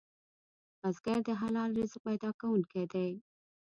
بزګر د حلال رزق پیدا کوونکی دی